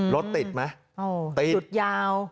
รถติดไหมติดจุดยาว